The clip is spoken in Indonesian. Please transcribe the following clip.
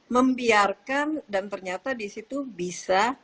membiarkan dan ternyata disitu bisa